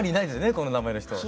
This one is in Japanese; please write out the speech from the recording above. この名前の人。